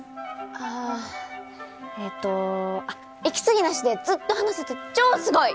ああえとあっ息継ぎなしでずっと話せて超すごい。